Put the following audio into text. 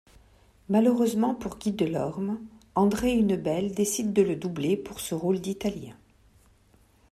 Malheureusement pour Guy Delorme, André Hunebelle décide de le doubler pour ce rôle d'Italien.